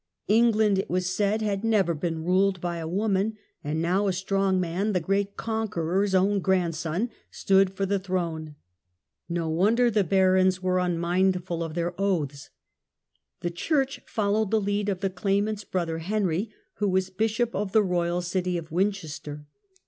England, it was said, had never been ruled by a woman, and now a strong man, the great Conqueror's own grand son, stood for the throne. No wonder the barons were unmindful of their oaths. The church followed the lead of the claimant's brother Henry, who was bishop of the royal city of Winchester.